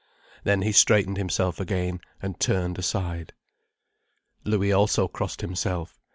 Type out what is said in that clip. Then he straightened himself again, and turned aside. Louis also crossed himself.